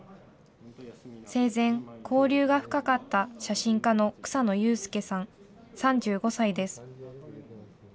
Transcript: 生前、交流が深かった写真家の草野優介さん３５歳です。